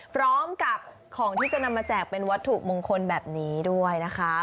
พร้อมกับของที่จะนำมาแจกเป็นวัตถุมงคลแบบนี้ด้วยนะคะ